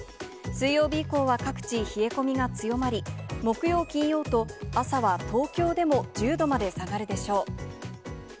水曜日以降は、各地、冷え込みが強まり、木曜、金曜と、朝は東京でも１０度まで下がるでしょう。